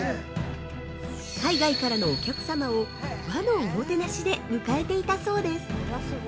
海外からのお客様を和のおもてなしで迎えていたそうです。